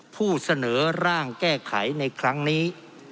ผู้เสนอร่างแก้ไขในครั้งนี้